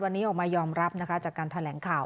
วันนี้ออกมายอมรับนะคะจากการแถลงข่าว